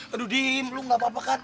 aduh dim lu gak apa apa kan